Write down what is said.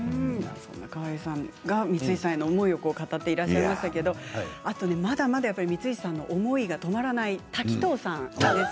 川栄さんが光石さんへの思いを語ってらっしゃいましたけれどもまだまだ光石さんへの思いが止まらない滝藤さん